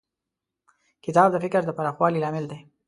کتاب د فکر د پراخوالي لامل دی.